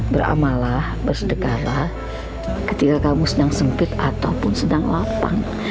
beramalah bersedekalah ketika kamu sedang sempit ataupun sedang lapang